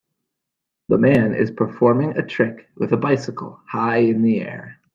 The man is performing a trick with a bicycle high in the air.